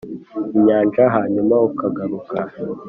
inyanja, hanyuma ukagaruka?